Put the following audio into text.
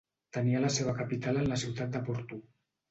Tenia la seva capital en la ciutat de Porto.